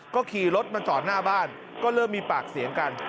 ก็ขี่รถมาจอดหน้าบ้านก็เริ่มมีปากเสียงกัน